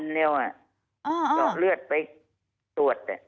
เจาะเลือดไปตรวจ